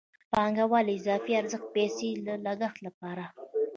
پانګوال له اضافي ارزښت پیسې د لګښت لپاره اخلي